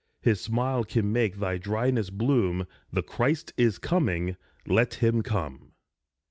His smile can make thy dryness bloom. The Christ is coming ! Let him come